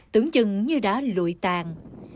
tưởng chừng như đã lụi tàn